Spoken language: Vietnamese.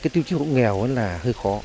tiêu chí hộ nghèo là hơi khó